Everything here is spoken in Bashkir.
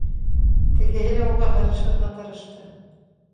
Тегеһе лә уға һырышырға тырышты